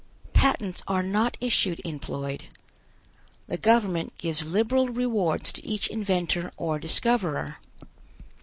Patents are not issued in Ploid. The government gives liberal rewards to each inventor or discoverer.